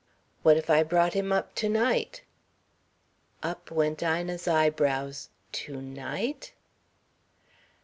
"What if I brought him up to night?" Up went Ina's eyebrows. To night?